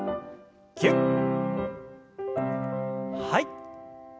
はい。